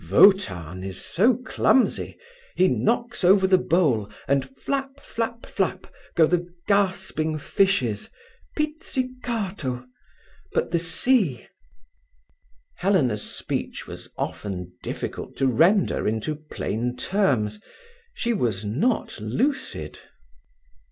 "Wotan is so clumsy—he knocks over the bowl, and flap flap flap go the gasping fishes, pizzicato!—but the sea—" Helena's speech was often difficult to render into plain terms. She was not lucid.